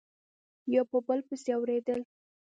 یو په بل پسي اوریدل